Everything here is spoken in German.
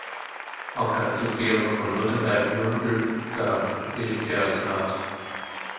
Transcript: Auch Herzog Georg von Württemberg-Mömpelgard beriet er als Rat.